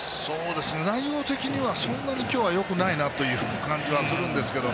内容的には、そんなに今日はよくないなという感じはするんですけど。